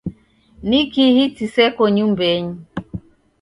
Ni kihi chiseko nyumbenyi?